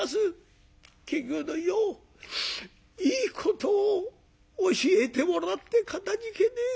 検校どんよいいことを教えてもらってかたじけねえ。